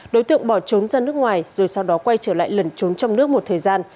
đối tượng bỏ trốn ra nước ngoài rồi sau đó quay trở lại lẩn trốn trong nước một thời gian